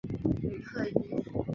吕赫伊。